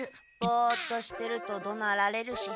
ボッとしてるとどなられるし。